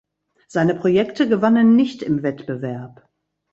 Seine Projekte gewannen nicht im Wettbewerb.